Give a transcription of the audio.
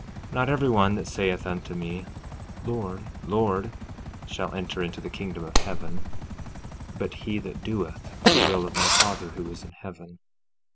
14:21 Not every one that saith unto me, Lord, Lord, shall enter into the kingdom of heaven; but he that doeth the will of my Father who is in heaven.